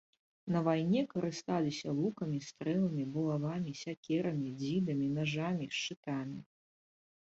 На вайне карысталіся лукамі, стрэламі, булавамі, сякерамі, дзідамі, нажамі, шчытамі.